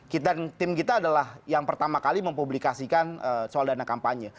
kita tim kita adalah yang pertama kali mempublikasikan soal dana kampanye